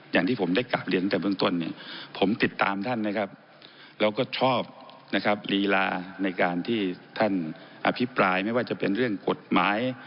อย่างที่ผมได้กลับเรียนตั้งแต่เบื้องต้นเนี่ยผมติดตามท่านนะครับเราก็ชอบนะครับลีลาในการที่ท่านอภิปรายไม่ว่าจะเป็นเรื่องกฎหมาย